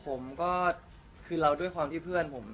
ผมก็คือเราด้วยความที่เพื่อนผม